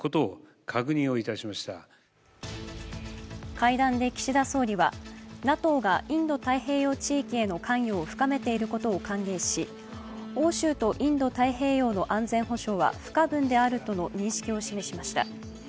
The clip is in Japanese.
会談で岸田総理はＮＡＴＯがインド太平洋地域への関与を深めていることを歓迎し欧州とインド太平洋の安全保障は不可分であるとの認識を示しました。